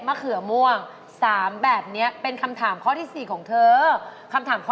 มะเขือม่วงจะไหว้ที่ไหนมะเขือม่วง